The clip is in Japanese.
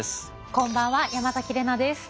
こんばんは山崎怜奈です。